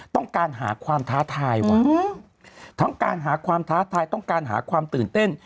ต้องการหาความท้าทายว่ะทั้งการหาความท้าทายต้องการหาความตื่นเต้น